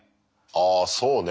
あそうね。